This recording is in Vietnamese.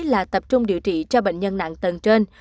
là tập trung điều trị cho bệnh nhân nặng tầng trên